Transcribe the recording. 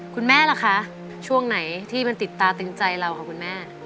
คุณแม่ล่ะคะช่วงไหนที่มันติดตาตึงใจเราค่ะคุณแม่